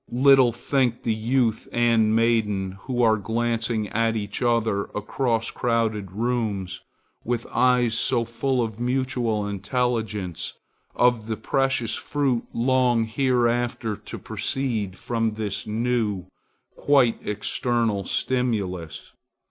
Little think the youth and maiden who are glancing at each other across crowded rooms with eyes so full of mutual intelligence, of the precious fruit long hereafter to proceed from this new, quite external stimulus.